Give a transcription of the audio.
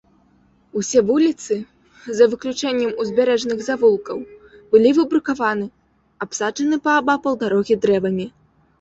Усе вуліцы, за выключэннем узбярэжных завулкаў, былі выбрукаваны, абсаджаны паабапал дарогі дрэвамі.